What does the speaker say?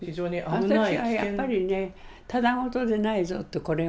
私はやっぱりねただごとでないぞとこれはね